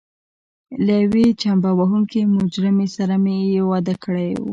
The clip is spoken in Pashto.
له یوې چمبه وهونکې مجرمې سره یې واده کړی و.